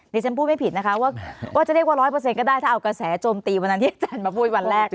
ฉันพูดไม่ผิดนะคะว่าจะเรียกว่า๑๐๐ก็ได้ถ้าเอากระแสโจมตีวันนั้นที่อาจารย์มาพูดวันแรก